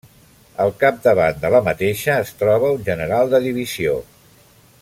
Al capdavant de la mateixa es troba un general de divisió.